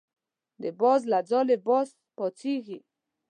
د باز له ځالې باز پاڅېږي.